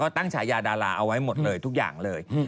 ก็ตั้งชาญญาดาราเอาไว้หมดทุกอย่างเลย